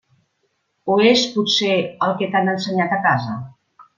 O és, potser, el que t'han ensenyat a casa?